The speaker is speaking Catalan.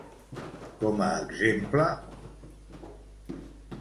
Com a exemple...